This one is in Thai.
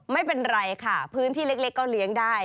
ไม่เป็นไรค่ะพื้นที่เล็กก็เลี้ยงได้